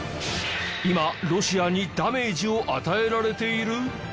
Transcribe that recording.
今ロシアにダメージを与えられている？